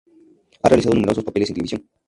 Ha realizado numerosos papeles en televisión.